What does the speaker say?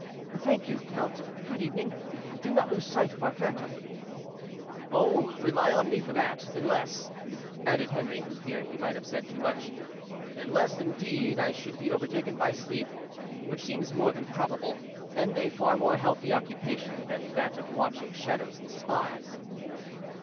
"Thank you, count, good evening; do not lose sight of our phantom." "Oh! rely upon me for that; unless," added Henri, who feared he might have said too much, "unless, indeed, I should be overtaken by sleep, which seems more than probable, and a far more healthy occupation than that of watching shadows and spies."